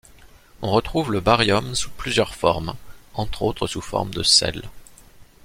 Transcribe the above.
On retrouve le baryum sous plusieurs formes, entre autres sous forme de sel.